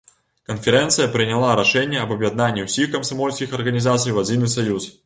Канферэнцыя прыняла рашэнне аб аб'яднанні ўсіх камсамольскіх арганізацый у адзіны саюз.